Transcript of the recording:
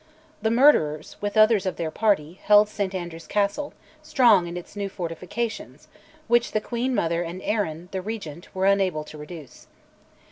The murderers, with others of their party, held St Andrews Castle, strong in its new fortifications, which the queen mother and Arran, the Regent, were unable to reduce.